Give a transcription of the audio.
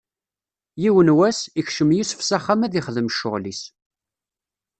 Yiwen n wass, ikcem Yusef s axxam ad ixdem ccɣwel-is.